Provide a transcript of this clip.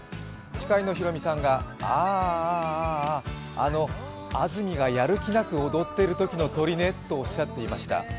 司会のヒロミさんが、あ、あの安住がやる気なく踊ってるときの鳥ね、とおっしゃっていました。